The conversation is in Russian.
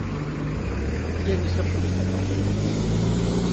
Я не сержусь, — сказал Левин.